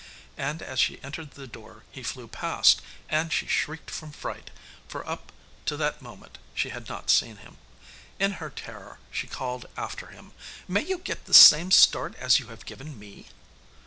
And as she entered the door he flew past, and she shrieked from fright, for up to that moment she had not seen him. In her terror she called after him. 'May you get the same start as you have given me!